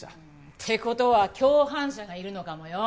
って事は共犯者がいるのかもよ。